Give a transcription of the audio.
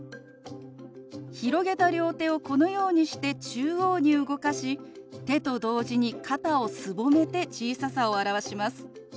広げた両手をこのようにして中央に動かし手と同時に肩をすぼめて小ささを表します。